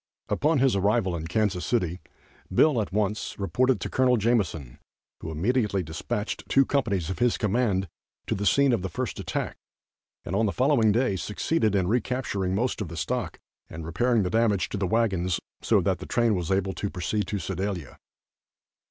Upon his arrival in Kansas City Bill at once reported to Col. Jameson, who immediately dispatched two companies of his command to the scene of the first attack, and on the following day succeeded in recapturing most of the stock and repairing the damage to the wagons, so that the train was able to proceed to Sedalia.